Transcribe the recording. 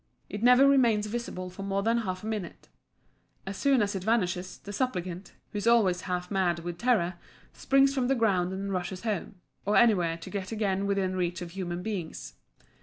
It never remains visible for more than half a minute. As soon as it vanishes the supplicant, who is always half mad with terror, springs from the ground and rushes home or anywhere to get again within reach of human beings.